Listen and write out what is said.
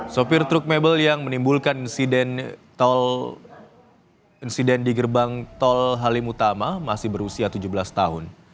sopir truk mebel yang menimbulkan insiden tol insiden di gerbang tol halim utama masih berusia tujuh belas tahun